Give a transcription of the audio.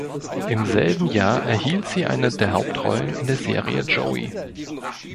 Im selben Jahr erhielt sie eine der Hauptrollen in der Serie "Joey".